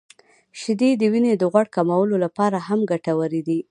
• شیدې د وینې د غوړ کمولو لپاره هم ګټورې دي.